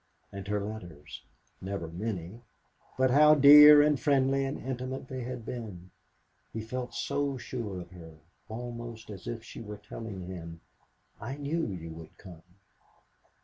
And her letters, never many, but how dear and friendly and intimate they had been! He felt so sure of her, almost as if she were telling him, "I knew you would come."